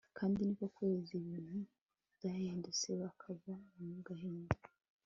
kandi ni ko kwezi ibintu byahindutse bakava mu gahinda